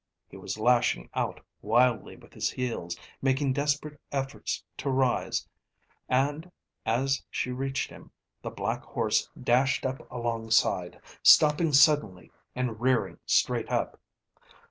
He was lashing out wildly with his heels, making desperate efforts to rise. And as she reached him the black horse dashed up alongside, stopping suddenly, and rearing straight up.